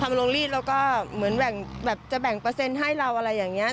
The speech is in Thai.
ลงรีดแล้วก็เหมือนแบบจะแบ่งเปอร์เซ็นต์ให้เราอะไรอย่างนี้